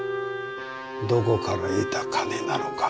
どこから得た金なのか。